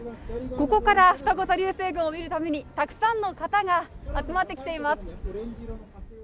ここからふたご座流星群を見るためにたくさんの方が集まってきています。